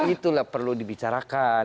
itulah perlu dibicarakan